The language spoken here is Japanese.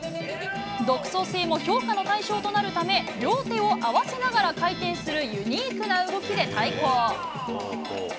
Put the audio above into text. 独創性も評価の対象となるため、両手を合わせながら回転するユニークな動きで対抗。